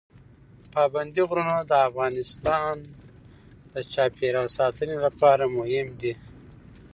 پابندی غرونه د افغانستان د چاپیریال ساتنې لپاره مهم دي.